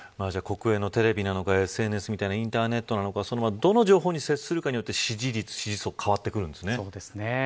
国営のテレビなのかＳＮＳのようなインターネットなのかどの情報に接するかによって支持率や支持層が変わってくるんですね。